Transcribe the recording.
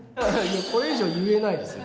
これ以上は言えないですよ。